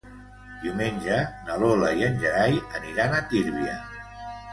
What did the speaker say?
Diumenge na Lola i en Gerai aniran a Tírvia.